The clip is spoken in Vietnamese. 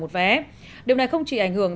một vé điều này không chỉ ảnh hưởng